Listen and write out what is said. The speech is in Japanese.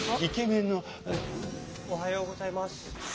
おはようございます。